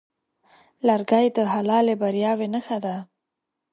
لرګی د حلالې بریاوې نښه ده.